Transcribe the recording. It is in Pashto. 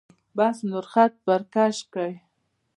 بس نور خط پر کش کړئ.